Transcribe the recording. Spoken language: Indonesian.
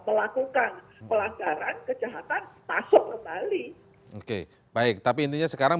melakukan pelaksanaan kejahatan pasok kembali